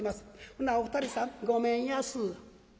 ほなお二人さんごめんやす」。